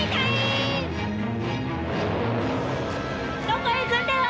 どこへ行くんだよ！